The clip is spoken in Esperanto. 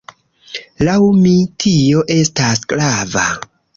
Laŭ mi, tio estas grava.